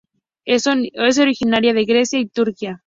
Es originaria de Grecia y Turquía.